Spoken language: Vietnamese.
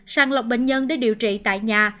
sàng lọc bệnh nhân để điều trị tại nhà